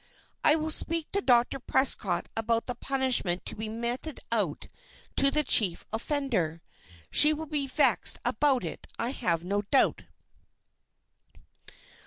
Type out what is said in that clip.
I will speak to Dr. Prescott about the punishment to be meted out to the chief offender. She will be vexed about it, I have no doubt."